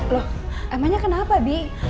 loh emangnya kenapa bi